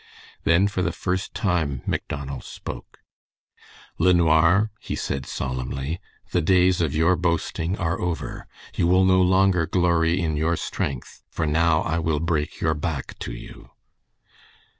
Then for the first time Macdonald spoke: "LeNoir," he said, solemnly, "the days of your boasting are over. You will no longer glory in your strength, for now I will break your back to you."